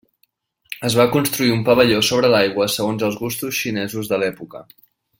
Es va construir un pavelló sobre l'aigua segons els gustos xinesos de l'època.